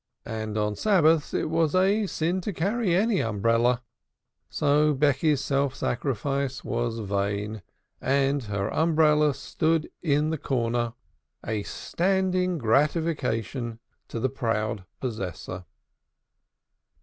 And on Sabbaths it is a sin to carry any umbrella. So Becky's self sacrifice was vain, and her umbrella stood in the corner, a standing gratification to the proud possessor.